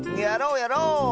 やろうやろう！